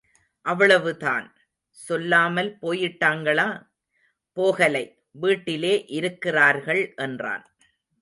அவ்வளவு தான். சொல்லாமல் போயிட்டாங்களா? போகலை, வீட்டிலே இருக்கிறார்கள் என்றான்.